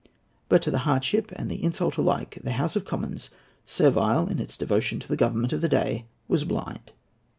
But to the hardship and the insult alike the House of Commons, servile in its devotion to the Government of the day, was blind.